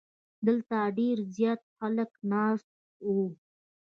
دلته ډیر زیات خلک ناست وو.